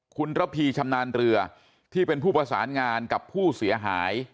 คุณระพีชำนาญเรือที่เป็นผู้ประสานงานกับผู้เสียหาย